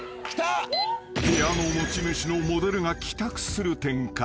［部屋の持ち主のモデルが帰宅する展開］